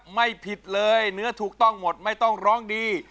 ไม่ผิดเลยเนื้อถูกต้องหมดไม่ต้องร้องดี